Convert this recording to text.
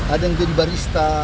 ada yang jadi barista